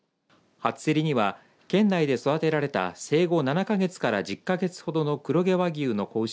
初競りには県内で育てられた生後７か月から１０か月ほどの黒毛和牛の子牛